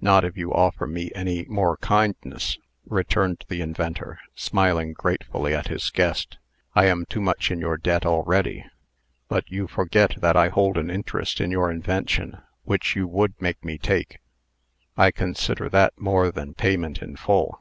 "Not if you offer me any more kindness," returned the inventor, smiling gratefully at his guest. "I am too much in your debt already." "But you forget that I hold an interest in your invention, which you would make me take. I consider that more than payment in full."